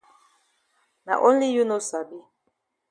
Na only you no sabi.